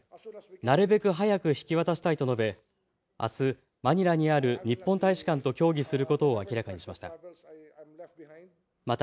なるべく早く引き渡したいと述べあすマニラにある日本大使館と協議することを明らかにしました。